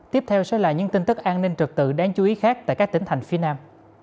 tiếp theo sẽ là những tin tức an ninh trật tự đáng chú ý khác tại các tỉnh thành phía nam